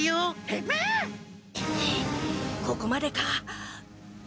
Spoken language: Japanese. ここまでか。